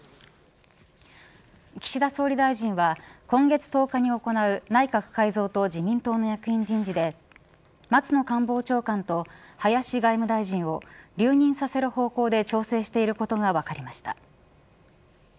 岸田総理大臣は今月１０日に行う内閣改造と自民党の役員人事で松野官房長官と林外務大臣を留任させる方向で調整していることが分かりました。